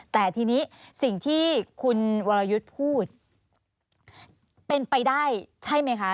แต่ทีนี้สิ่งที่คุณวรยุทธ์พูดเป็นไปได้ใช่ไหมคะ